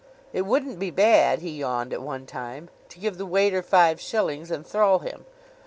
'It wouldn't be bad,' he yawned at one time, 'to give the waiter five shillings, and throw him.